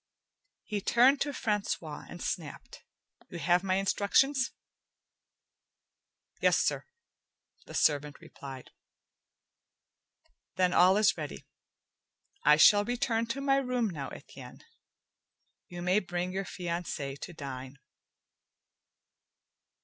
He turned to Francois, and snapped: "You have my instructions?" "Yes, sir," the servant replied. "Then all is ready. I shall return to my room now, Etienne. You may bring your fiancee to dine."